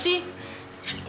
itu kenapa sih